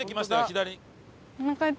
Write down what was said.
左。